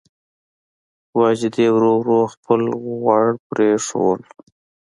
واجدې ورو ورو خپل غوړ پرېښودل.